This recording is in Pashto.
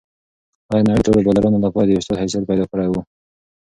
هغه د نړۍ د ټولو بالرانو لپاره د یو استاد حیثیت پیدا کړی دی.